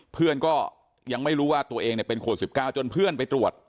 เพื่อนก็ยังไม่รู้ว่าตัวเองเป็นโควิด๑๙จนเพื่อนไปตรวจ